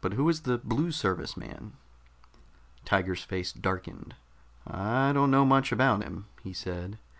"But who is the Blue Service man?" Tiger's face darkened. "I don't know much about him," he said.